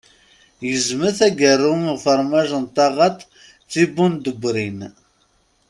Gezmet agerrum ufermaj n taɣaṭ d tibumdewwrin.